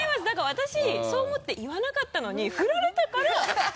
だから私そう思って言わなかったのに振られたから！